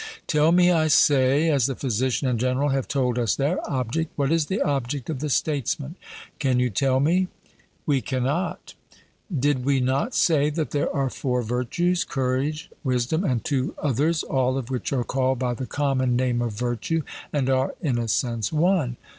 Tell me, I say, as the physician and general have told us their object, what is the object of the statesman. Can you tell me? 'We cannot.' Did we not say that there are four virtues courage, wisdom, and two others, all of which are called by the common name of virtue, and are in a sense one?